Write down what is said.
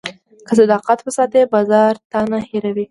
که صداقت وساتې، بازار تا نه هېروي.